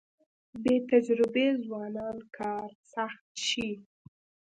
بې تجربې ځوانان کار سخت شي.